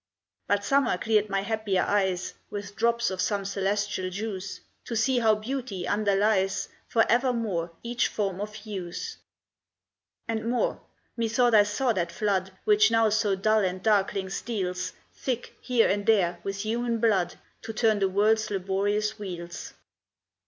But Summer cleared my happier eyes With drops of some celestial juice, To see how Beauty underlies For evermore each form of Use. And more: methought I saw that flood, Which now so dull and darkling steals, Thick, here and there, with human blood, To turn the world's laborious wheels.